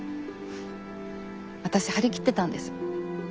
私張り切ってたんです。